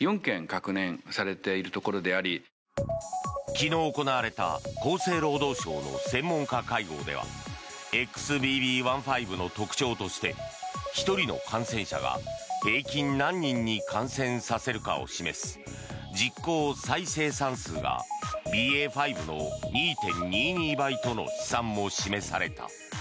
昨日行われた厚生労働省の専門家会合ではＸＢＢ．１．５の特徴として１人の感染者が平均何人に感染させるかを示す実効再生産数がＢＡ．５の２．２２倍との試算も示された。